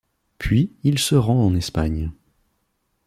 Puis il se rend en Espagne.